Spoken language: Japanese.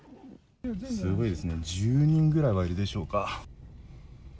すごいですね、１０人ぐらいはいるでしょうか。